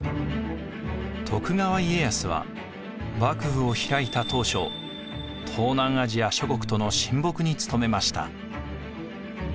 徳川家康は幕府を開いた当初東南アジア諸国との親睦に努めました。